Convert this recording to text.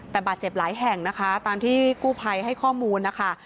แต่บาดเจ็บหลายแห่งนะคะตามที่กู้ภัยให้ข้อมูลนะคะ